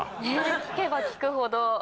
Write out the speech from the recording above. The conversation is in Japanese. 聞けば聞くほど。